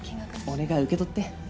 お願い受け取って。